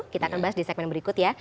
kita akan bahas di segmen berikut ya